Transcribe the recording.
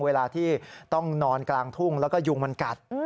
เวลาที่ต้องนอนกลางทุ่งแล้วก็ยุงมันกัด